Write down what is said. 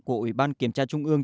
của ủy ban kiểm tra trung ương